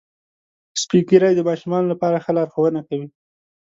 سپین ږیری د ماشومانو لپاره ښه لارښوونه کوي